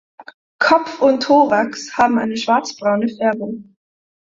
Kopf und Thorax haben eine schwarzbraune Färbung.